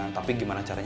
tapi gimana caranya